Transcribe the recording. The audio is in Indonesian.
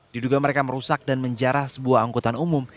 diduga mereka merusak dan menjarah sebuah angkutan umum